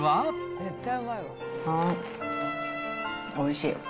おいしい。